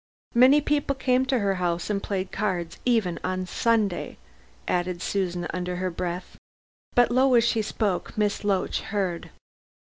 Many people came to her house and played cards, even on Sunday," added Susan under her breath. But low as she spoke, Miss Loach heard.